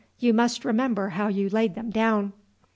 You must remember how you laid them down."